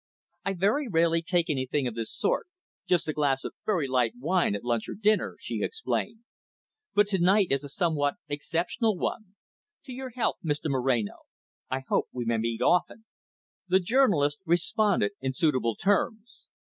"I very rarely take anything of this sort, just a glass of very light wine at lunch or dinner," she explained. "But to night is a somewhat exceptional one. To your health, Mr Moreno. I hope we may meet often." The journalist responded in suitable terms.